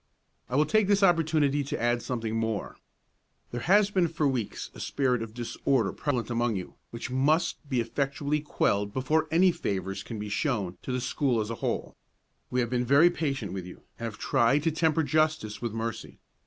"I will take this opportunity to add something more. There has been for some weeks a spirit of disorder prevalent among you, which must be effectually quelled before any favors can be shown to the school as a whole. We have been very patient with you, and have tried to temper justice with mercy.